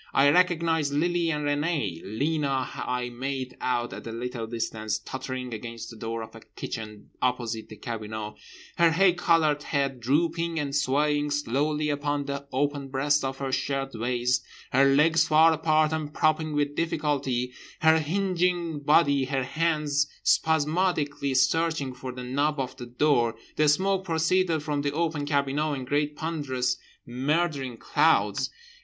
I recognised Lily and Renée. Lena I made out at a little distance tottering against the door of the kitchen opposite the cabinot, her hay coloured head drooping and swaying slowly upon the open breast of her shirt waist, her legs far apart and propping with difficulty her hinging body, her hands spasmodically searching for the knob of the door. The smoke proceeded from the open cabinot in great ponderous murdering clouds.